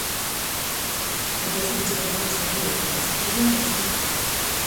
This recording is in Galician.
É que hoxe o que escoitamos aquí é: Castrillo non se toca.